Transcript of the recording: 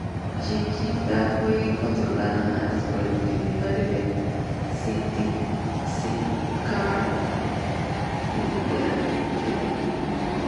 Chiquita fue controlada antes por el multimillonario de Cincinnati Carl H. Lindner, Jr.